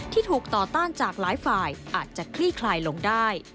ที่ถูกต่อต้านจากหลายฝ่ายอาจจะคลี่คลายลงได้